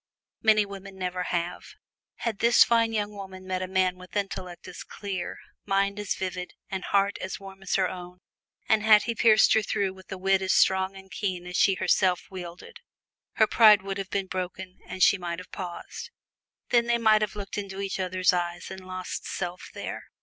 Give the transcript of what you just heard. Many women never have. Had this fine young woman met a man with intellect as clear, mind as vivid, and heart as warm as her own, and had he pierced her through with a wit as strong and keen as she herself wielded, her pride would have been broken and she might have paused. Then they might have looked into each other's eyes and lost self there.